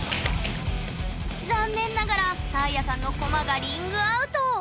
残念ながらサーヤさんのコマがリングアウト。